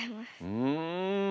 うん！